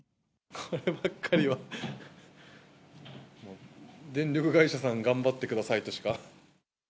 こればっかりは、電力会社さん、頑張ってくださいとしか。